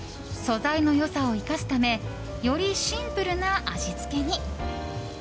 素材の良さを生かすためよりシンプルな味付けに。